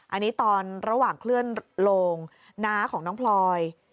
อันนี้ตอนระหว่างเคลื่อนโลงน้าของน้องพลอย